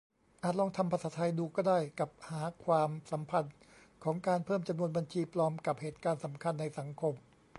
อาจลองทำภาษาไทยดูก็ได้ กับหาความสัมพันธ์ของการเพิ่มจำนวนบัญชีปลอมกับเหตุการณ์สำคัญในสังคม ?